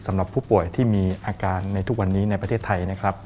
สำหรับผู้ป่วยที่มีอาการในทุกวันนี้ในประเทศไทยนะครับ